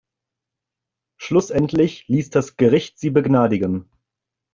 Schlussendlich ließ das Gericht sie begnadigen.